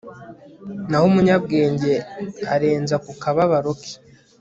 naho umunyabwenge arenza ku kababaro ke